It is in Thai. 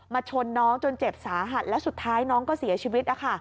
ชนน้องจนเจ็บสาหัสแล้วสุดท้ายน้องก็เสียชีวิต